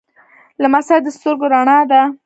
لمسی د سترګو رڼا ده.